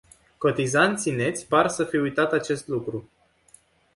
Cotizanții neți par să fi uitat acest lucru.